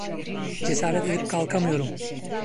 Cesaret edip kalkamıyorum!